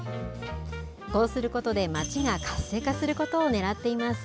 こうすることで町が活性化することをねらっています。